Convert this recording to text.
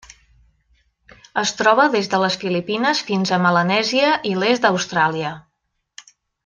Es troba des de les Filipines fins a Melanèsia i l'est d'Austràlia.